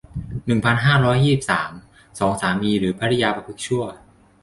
หนึ่งพันห้าร้อยยี่สิบสาม สอง สามีหรือภริยาประพฤติชั่ว